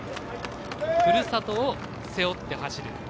ふるさとを背負って走る。